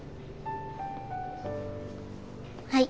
はい。